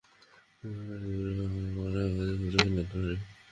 খুব রেগে গিয়ে নিয়ন্ত্রন হারিয়ে ফেলেছিলাম।